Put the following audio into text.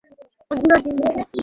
আপনারা কি ইস্তানবুল যাচ্ছেন?